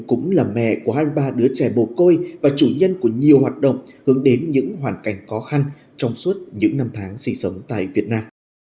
cũng là mẹ của hai mươi ba đứa trẻ bồ côi và chủ nhân của nhiều hoạt động hướng đến những hoàn cảnh khó khăn trong suốt những năm tháng sinh sống tại việt nam